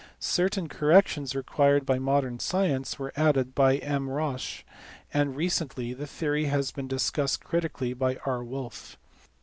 Certain corrections required by modern science were added by M. Roche, and recently the theory has been discussed critically by R. Wolf.